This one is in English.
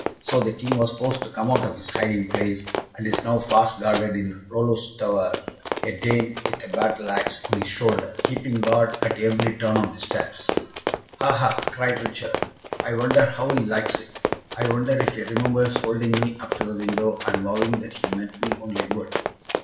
So the King was forced to come out of his hiding place, and is now fast guarded in Rollo's tower a Dane, with a battle axe on his shoulder, keeping guard at every turn of the stairs." "Ha! ha!" cried Richard. "I wonder how he likes it. I wonder if he remembers holding me up to the window, and vowing that he meant me only good!"